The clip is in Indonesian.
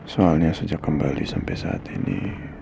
soalnya sejak kembali sampai saat ini